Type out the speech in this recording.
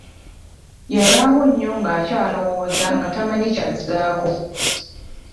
Yalwawo nnyo ng'akyalowooza nga tamanyi kyazaako.